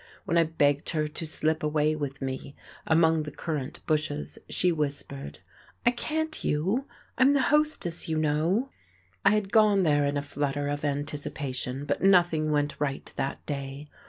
When I begged her to slip away with me among the currant bushes she whispered: "I can't, Hugh. I'm the hostess, you know." I had gone there in a flutter of anticipation, but nothing went right that day.